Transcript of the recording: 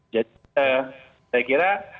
jadi saya kira